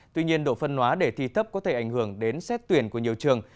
tuy nhiên độ phân hóa để thi thấp có thể ảnh hưởng đến xét tuyển của nhiều trường